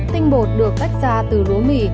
tinh bột được tách ra từ lúa mì